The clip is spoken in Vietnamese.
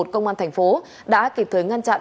công an thành phố đã kịp thời ngăn chặn